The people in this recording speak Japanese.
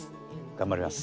頑張ります。